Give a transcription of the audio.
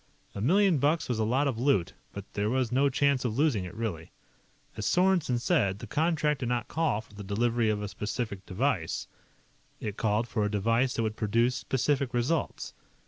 A million bucks was a lot of loot, but there was no chance of losing it, really. As Sorensen said, the contract did not call for the delivery of a specific device, it called for a device that would produce specific results.